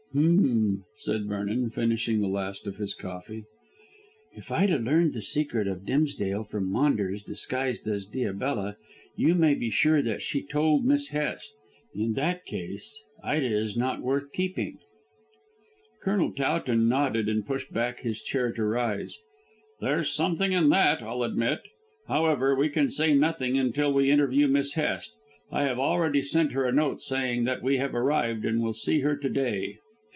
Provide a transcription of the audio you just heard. "H'm," said Vernon finishing the last of his coffee. "If Ida learned the secret of Dimsdale from Maunders, disguised as Diabella, you may be sure that she told Miss Hest. In that case, Ida is not worth keeping." Colonel Towton nodded and pushed back his chair to rise. "There's something in that, I'll admit. However, we can say nothing until we interview Miss Hest. I have already sent her a note saying that we have arrived and will see her to day."